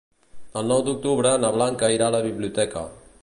El nou d'octubre na Blanca irà a la biblioteca.